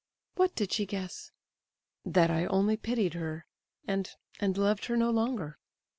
"What did she guess?" "That I only pitied her—and—and loved her no longer!"